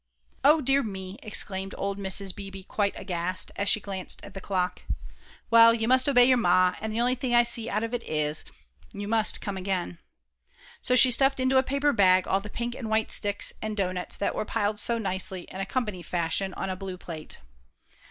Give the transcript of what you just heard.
"O dear me!" exclaimed old Mrs. Beebe, quite aghast, as she glanced at the clock. "Well, you must obey your Ma, and the only thing I see out of it is, you must come again." So she stuffed into a paper bag all the pink and white sticks and doughnuts that were piled so nicely, in a company fashion, on a blue plate.